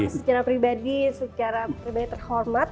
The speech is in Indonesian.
secara pribadi secara pribadi terhormat